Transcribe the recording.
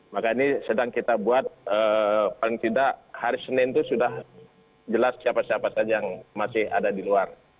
maka ini sedang kita buat paling tidak hari senin itu sudah jelas siapa siapa saja yang masih ada di luar